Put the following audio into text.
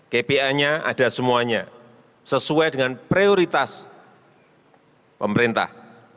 kpi nya ada semuanya sesuai dengan prioritas pemerintah